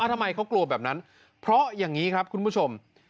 ทำไมเขากลัวแบบนั้นเพราะอย่างนี้ครับคุณผู้ชม